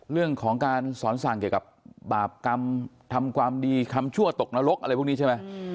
เรื่องของการสอนสั่งเกี่ยวกับบาปกรรมทำความดีคำชั่วตกนรกอะไรพวกนี้ใช่ไหม